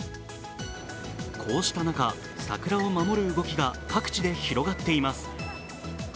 こうした中、桜を守る動きが各地で広がっています。